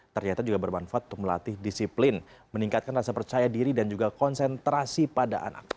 ternyata juga bermanfaat untuk melatih disiplin meningkatkan rasa percaya diri dan juga konsentrasi pada anak